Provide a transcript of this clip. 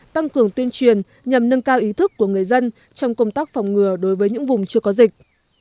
tăng cường tuyên truyền nhằm nâng cao ý thức của người dân trong công tác phòng ngừa đối với những vùng chưa có dịch